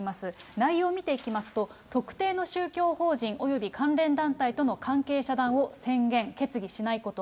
内容を見ていきますと、特定の宗教法人、および関連団体との関係遮断を宣言・決議しないこと。